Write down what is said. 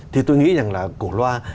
thì tôi nghĩ rằng là cổ loa